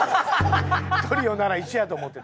トリオなら一緒やと思ってる。